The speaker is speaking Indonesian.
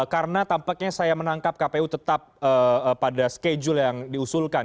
karena tampaknya saya menangkap kpu tetap pada schedule yang diusulkan